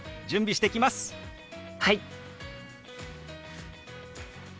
はい。